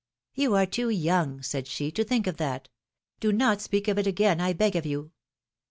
^^You are too young," said she, ^^to think of that. Do not speak of it again, I beg of you